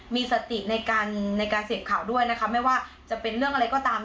มีสติในการในการเสพข่าวด้วยนะคะไม่ว่าจะเป็นเรื่องอะไรก็ตาม